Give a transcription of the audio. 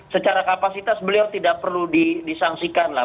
secara kapasitas beliau tidak perlu disangsikan lah